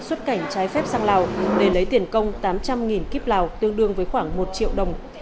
xuất cảnh trái phép sang lào để lấy tiền công tám trăm linh kip lào tương đương với khoảng một triệu đồng